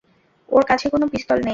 ওর কাছে কোনো পিস্তল নেই।